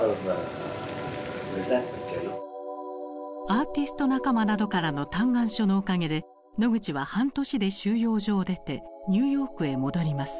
アーティスト仲間などからの嘆願書のおかげでノグチは半年で収容所を出てニューヨークへ戻ります。